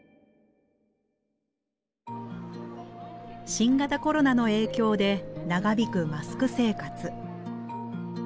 新型コロナの影響で長引くマスク生活。